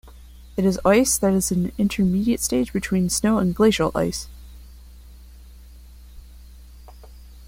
It is ice that is at an intermediate stage between snow and glacial ice.